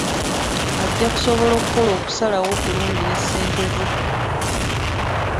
Ajja kusobola okukola okusalawo okulungi ne ssente ze.